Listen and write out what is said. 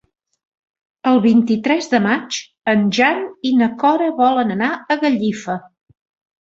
El vint-i-tres de maig en Jan i na Cora volen anar a Gallifa.